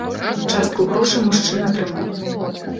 Частку грошай мужчына атрымаў.